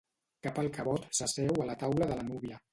Cap alcavot s'asseu a la taula de la núvia.